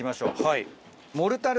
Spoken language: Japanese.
はい。